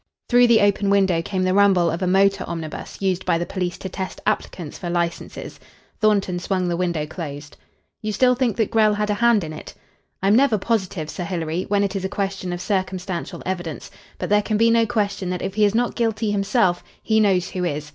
Through the open window came the rumble of a motor omnibus used by the police to test applicants for licenses. Thornton swung the window close. "You still think that Grell had a hand in it?" "I'm never positive, Sir Hilary, when it is a question of circumstantial evidence. But there can be no question that if he is not guilty himself he knows who is.